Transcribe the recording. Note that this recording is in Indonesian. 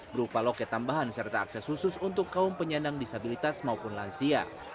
berupa loket tambahan serta akses khusus untuk kaum penyandang disabilitas maupun lansia